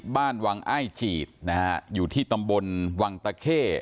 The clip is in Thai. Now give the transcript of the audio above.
บ้านวังอ้ายจีดนะฮะอยู่ที่ตำบลวังตะเข้